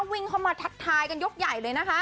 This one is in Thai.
วิ่งเข้ามาทักทายกันยกใหญ่เลยนะคะ